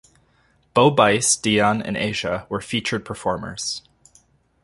Bo Bice, Dion, and Asia were featured performers.